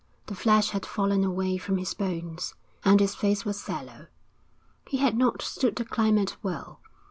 The flesh had fallen away from his bones, and his face was sallow. He had not stood the climate well.